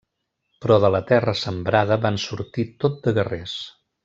Però de la terra sembrada van sortir tot de guerrers.